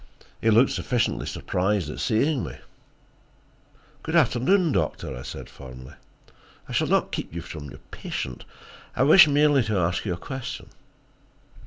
He looked sufficiently surprised at seeing me. "Good afternoon, Doctor," I said formally. "I shall not keep you from your patient. I wish merely to ask you a question."